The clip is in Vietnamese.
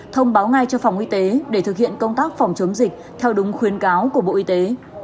thông báo ngay cho phòng y tế để thực hiện công tác phòng chống dịch theo đúng khuyến cáo của bộ y tế